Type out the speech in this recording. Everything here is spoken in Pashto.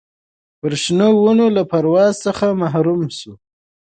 پر شنو ونو له پرواز څخه محروم سو